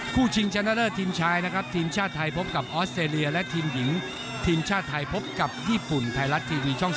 คู่ทีมชายทีมชาติไทยพบกับออสเตรียและทีมหญิงทีมชาติไทยพบกับญี่ปุ่นไทยรัฐทีวีช่อง๓๒